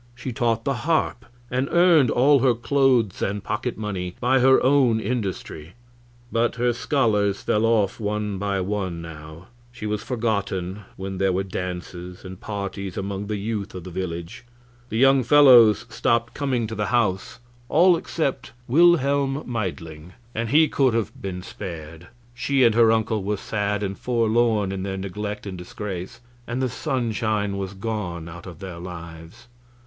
She taught the harp, and earned all her clothes and pocket money by her own industry. But her scholars fell off one by one now; she was forgotten when there were dances and parties among the youth of the village; the young fellows stopped coming to the house, all except Wilhelm Meidling and he could have been spared; she and her uncle were sad and forlorn in their neglect and disgrace, and the sunshine was gone out of their lives.